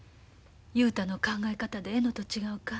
雄太の考え方でええのと違うか？